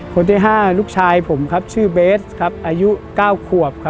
คนที่ห้าลูกชายผมชื่อเบสอายุ๙ควบ